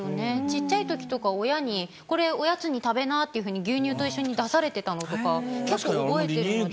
ちっちゃい時とか親にこれおやつに食べなっていうふうに牛乳と一緒に出されてたのとか結構覚えてるので。